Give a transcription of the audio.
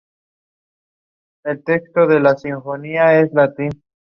Este fue grabado en los estudios Origen, bajo el sello Kiwi Records.